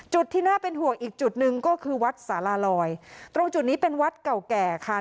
ที่น่าเป็นห่วงอีกจุดหนึ่งก็คือวัดสาราลอยตรงจุดนี้เป็นวัดเก่าแก่ค่ะ